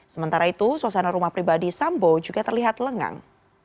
sementara itu suasana rumah pribadi sambo juga terlihat lengang